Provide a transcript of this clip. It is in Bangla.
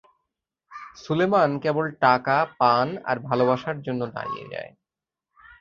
সুলেমান কেবল টাকা, পান আর ভালোবাসার জন্য দাঁড়িয়ে যায়!